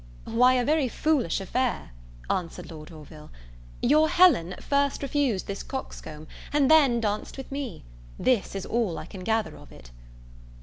"Why a very foolish affair," answered Lord Orville; "your Helen first refused this coxcomb, and then danced with me. This is all I can gather of it."